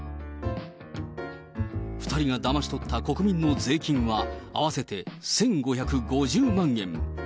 ２人がだまし取った国民の税金は合わせて１５５０万円。